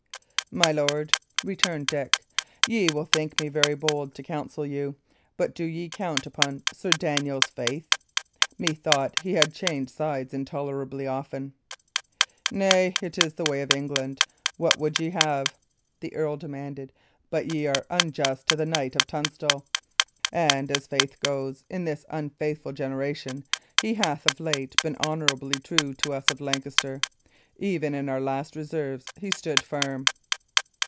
"My lord," returned Dick, "ye will think me very bold to counsel you; but do ye count upon Sir Daniel's faith? Methought he had changed sides intolerably often." "Nay, it is the way of England. What would ye have?" the earl demanded. "But ye are unjust to the knight of Tunstall; and as faith goes, in this unfaithful generation, he hath of late been honourably true to us of Lancaster. Even in our last reverses he stood firm."